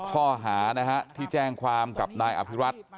ข้อหานะฮะที่แจ้งความกับนายอภิรัตน์